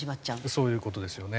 そういう事ですよね。